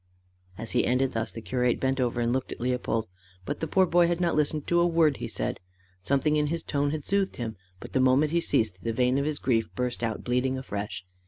As he ended thus, the curate bent over and looked at Leopold. But the poor boy had not listened to a word he said. Something in his tone had soothed him, but the moment he ceased, the vein of his grief burst out bleeding afresh.